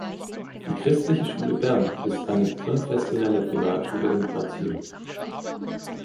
Die Christliche Schule Bern ist eine konfessionelle Privatschule im Quartier.